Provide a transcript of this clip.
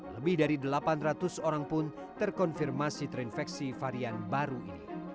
lebih dari delapan ratus orang pun terkonfirmasi terinfeksi varian baru ini